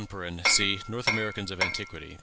(See "North Americans of Antiquity," p.